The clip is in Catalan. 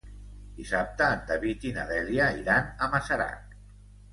Dissabte en David i na Dèlia iran a Masarac.